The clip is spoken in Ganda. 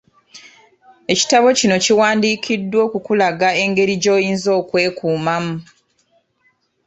Ekitabo kino kiwandiikiddwa okukulaga engeri gy'oyinza okwekuumamu.